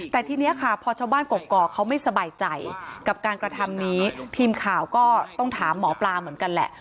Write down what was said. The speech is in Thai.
แต่ทีนี้ค่ะพอชาวบ้านกรกเขาไม่สบายใจกับการกระทำนี้ทีมข่าวก็ต้องถามหมอปลาเหมือนกันแหละ